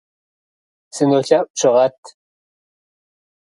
Сынолъэӏу, щыгъэт.